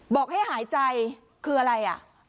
บอกให้หายใจคืออะไรอ่ะ